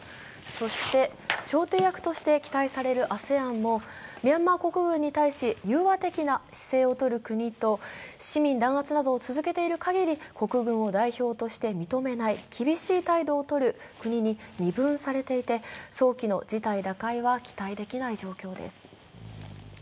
そして調停役として期待されるＡＳＥＡＮもミャンマー国軍に対し、融和的な姿勢を取る国と、市民弾圧などを続けているかぎり、国軍を代表として認めない厳しい態度をとる国に二分されていて、早期の事態打開は期待できない状況です。